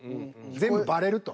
全部バレると。